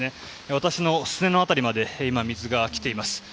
私のすねの辺りまで水が来ています。